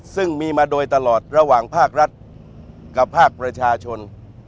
ซึ่งมีมาโดยตลอดระหว่างภาครัฐกับภาคประชาชน